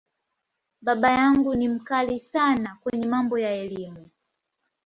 Baba yangu ni ‘mkali’ sana kwenye mambo ya Elimu.